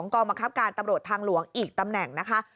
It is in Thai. กองบังคับการตำรวจทางหลวงอีกตำแหน่งนะคะ